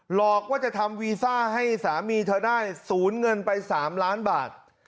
หลอกว่าจะทำวีซ่าให้สามีเธอได้สูญเงินไป๓ล้านบาท